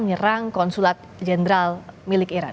menyerang konsulat jenderal milik iran